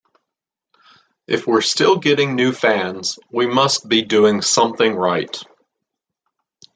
If we're still getting new fans, we must be doing something right.